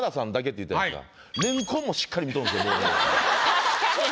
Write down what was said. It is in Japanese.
確かに。